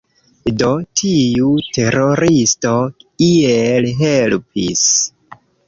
Do, tiu teroristo iel helpis